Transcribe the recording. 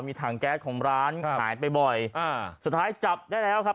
มีถังแก๊สของร้านหายไปบ่อยอ่าสุดท้ายจับได้แล้วครับ